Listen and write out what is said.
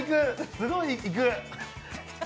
すごい行く。